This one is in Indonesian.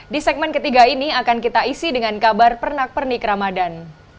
di segmen ketiga ini akan kita isi dengan kabar pernak pernik ramadan